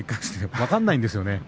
分からないですよね